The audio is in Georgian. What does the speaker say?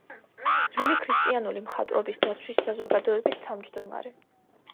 ძველი ქრისტიანული მხატვრობის დაცვის საზოგადოების თავმჯდომარე.